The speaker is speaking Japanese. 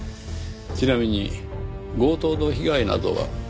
ちなみに強盗の被害などは？